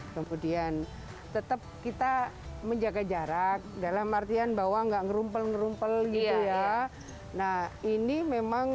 kemudian tetap kita menjaga jarak dalam artian bahwa enggak merumpel berumpel iya nah ini memang